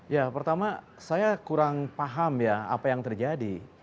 ya pertama saya kurang paham ya apa yang terjadi